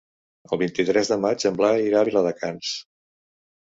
El vint-i-tres de maig en Blai irà a Viladecans.